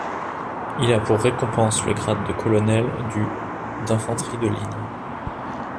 Il a pour récompense le grade de colonel du d'infanterie de ligne.